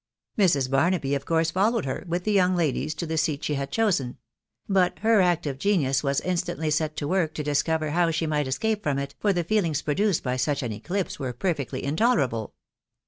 | Mrs. Barnaby of course followed her, with tJhe young ladies, Kthe seat she bad chosen ; but her active genius was instantly to work to discover how she might escape from it, for fie feelings produced by such an eclipse were <per£BOtly In ferable.